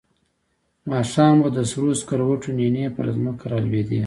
ماښام به د سرو سکروټو نینې پر ځمکه را لوېدې.